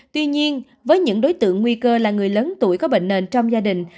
tuy nhiên với những đối tượng nguy cơ là người lớn tuổi có bệnh nền trong gia đình